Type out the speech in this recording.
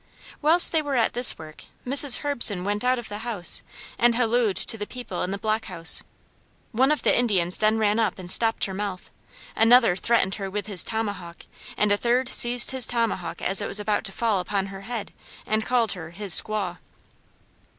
Whilst they were at this work, Mrs. Herbeson went out of the house, and hallooed to the people in the block house. One of the Indians then ran up and stopped her mouth, another threatened her with his tomahawk, and a third seized the tomahawk as it was about to fall upon her head, and called her his squaw.